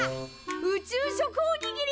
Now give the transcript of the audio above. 宇宙食おにぎり！